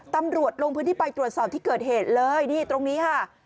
ตำรวจลงพื้นที่ไปตรวจสอบที่เกิดเหตุเลยนี่ตรงนี้ค่ะ